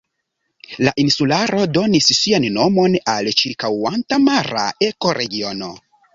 La insularo donis sian nomon al ĉirkaŭanta mara ekoregiono.